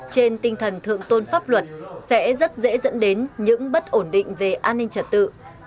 trên tinh thần thượng tôn pháp luật sẽ rất dễ dẫn đến những bất ổn định về an ninh trật tự